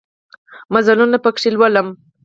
مزلونه پکښې لولم